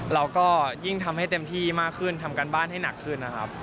เราก็ยิ่งทำให้เต็มที่มากขึ้นทำการบ้านให้หนักขึ้นนะครับ